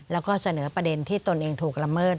แล้วก็เสนอประเด็นที่ตนเองถูกละเมิด